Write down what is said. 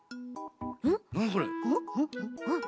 なにそれ。